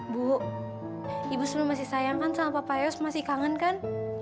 bu ibu sebelum masih sayangkan sama papa ayos masih kangen kan